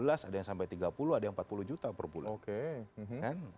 ada yang sampai tiga puluh ada yang empat puluh juta per bulan